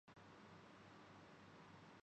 مرغی اور انڈوں ک